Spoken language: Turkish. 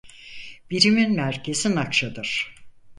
Birimin merkezi Nakşa'dır.